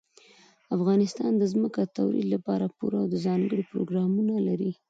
افغانستان د ځمکه د ترویج لپاره پوره او ځانګړي پروګرامونه لري.